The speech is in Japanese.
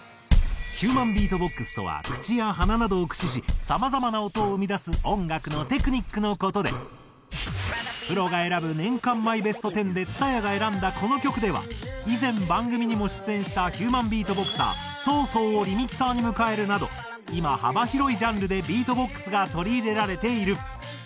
ヒューマンビートボックスとは口や鼻などを駆使しさまざまな音を生み出す音楽のテクニックの事でプロが選ぶ年間マイベスト１０で蔦谷が選んだこの曲では以前番組にも出演したヒューマンビートボクサーＳＯ−ＳＯをリミキサーに迎えるなど今幅広いジャンルでビートボックスが取り入れられている。